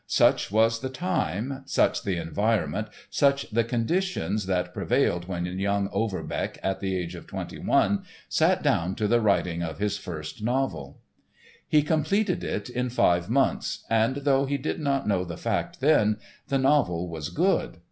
Such was the time, such the environment, such the conditions that prevailed when young Overbeck, at the age of twenty one, sat down to the writing of his first novel. He completed it in five months, and, though he did not know the fact then, the novel was good.